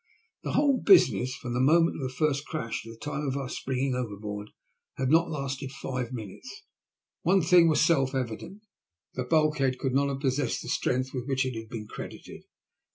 The whole business, from the moment of the first crash to the time ol our springing overboard, had not lasted five minutes. One thing was self evident — the bulk head could not have possessed the strength with which it had been credited.